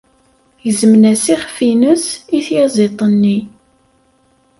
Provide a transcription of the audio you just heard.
Gezmen-as iɣef-nnes i tyaziḍt-nni.